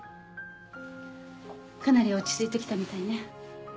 かなり落ち着いて来たみたいね。